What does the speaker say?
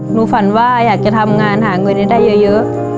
ฝันว่าอยากจะทำงานหาเงินให้ได้เยอะ